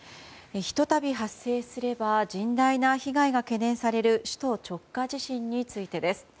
ひと度発生すれば甚大な被害が懸念される首都直下地震についてです。